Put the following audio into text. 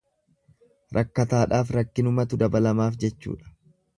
Rakkataadhaaf rakkinumatu dabalamaaf jechuudha.